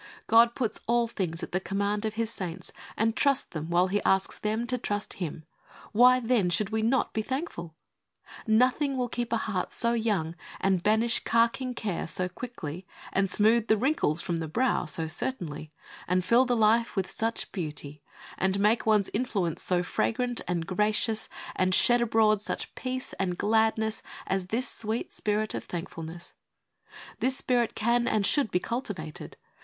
God puts all things at the command of His saints, and trusts them while He asks them to trust Him. Why, then, should we not be thankful ? Nothing will keep the heart so young and banish carking care so quickly and smooth the wrinkles from the brow so certainly, and fill the life with such beauty, and make one's influence so fragrant and gracious and shed abroad such peace and gladness as this sweet spirit of thankfulness. This spirit can and should be cultivated.